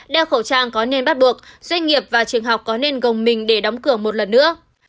đeo khẩu trang có nên bắt buộc doanh nghiệp và trường học có nên gồng mình để đóng cửa một lần nữa